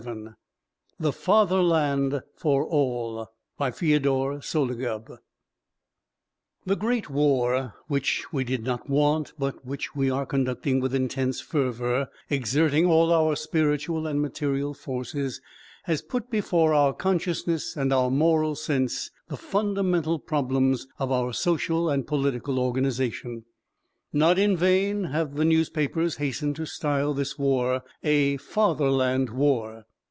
_ THE FATHERLAND FOR ALL BY FYODOR SOLOGUB The great war, which we did not want, but which we are conducting with intense fervour, exerting all our spiritual and material forces, has put before our consciousness and our moral sense the fundamental problems of our social and political organisation. Not in vain have the newspapers hastened to style this war a Fatherland War.